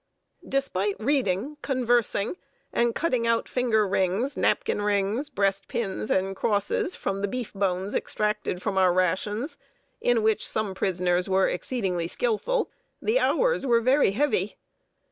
] Despite reading, conversing, and cutting out finger rings, napkin rings, breast pins, and crosses, from the beef bones extracted from our rations, in which some prisoners were exceedingly skillful, the hours were very heavy.